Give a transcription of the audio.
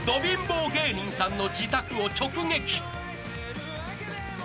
貧乏芸人さんの自宅を直撃］